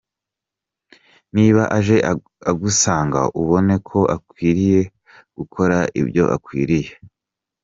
Niba aje agusanga ubone ko akwiriye gukora ibyo akwiriye.